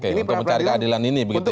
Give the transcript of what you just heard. untuk mencari keadilan ini